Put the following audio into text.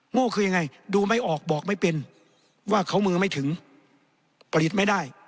โง่คือยังไงดูไม่ออกบอกไม่เป็นว่าเขามือไม่ถึงผลิตไม่ได้